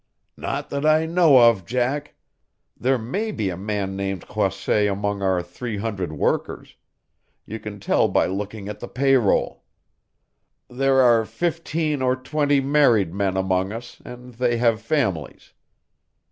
"Not that I know of, Jack. There may be a man named Croisset among our three hundred workers you can tell by looking at the pay roll. There are fifteen or twenty married men among us and they have families.